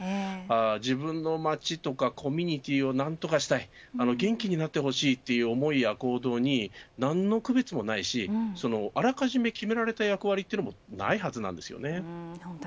自分の町やコミュニティを何とかしたい元気になってほしいという思いや行動に何の区別もないしあらかじめ決められた役割もないと思います。